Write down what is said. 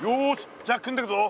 じゃあ組んでくぞ。